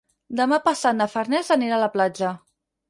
Demà passat na Farners anirà a la platja.